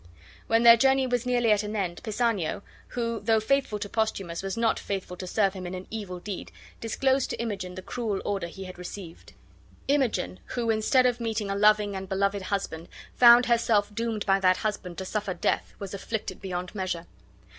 When their journey was nearly at an end, Pisanio, who, though faithful to Posthumus, was not faithful to serve him in an evil deed, disclosed to Imogen the cruel order he had received. Imogen, who, instead of meeting a loving and beloved husband, found herself doomed by that husband to suffer death, was afflicted beyond measure.